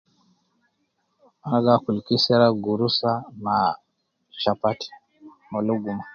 An gi akul kisira, gurusa ma chapati ma luguma